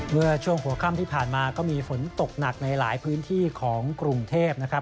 เมื่อช่วงหัวค่ำที่ผ่านมาก็มีฝนตกหนักในหลายพื้นที่ของกรุงเทพนะครับ